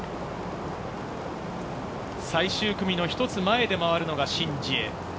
最終組の１つ前で回るのがシン・ジエ。